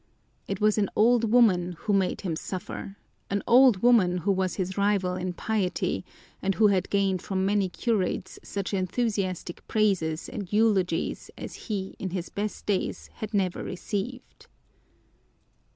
It was an old woman who made him suffer, an old woman who was his rival in piety and who had gained from many curates such enthusiastic praises and eulogies as he in his best days had never received.